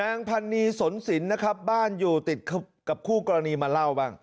นางพันนีสนสินนะครับบ้านอยู่ติดกับคู่กรณีมาเล่าบ้าง